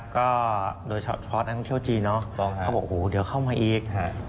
ก็โดยเฉพาะท่องเที่ยวจีนเขาบอกเดี๋ยวเข้ามาอีก